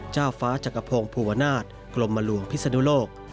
เจ้าฟ้าจักรพงศ์ภูวนาศกรมหลวงพิศนุโลก